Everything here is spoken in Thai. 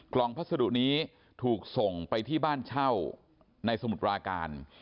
งพัสดุนี้ถูกส่งไปที่บ้านเช่าในสมุทรปราการ